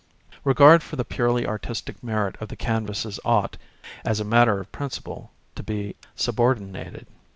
Regard for the purely artistic merit of the canvases ought, as a matter of principle, to be subordinated.